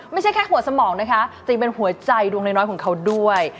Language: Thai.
ไม่ใช่แค่หัวสมองนะคะจึงเป็นหัวใจดวงน้อยของเขาด้วย